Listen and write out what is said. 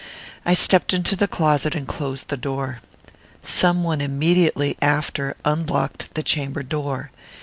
I stepped into the closet, and closed the door. Some one immediately after unlocked the chamber door.